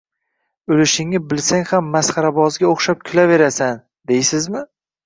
O`lishingni bilsang ham masxarabozga o`xshab kulaverasan deysizmi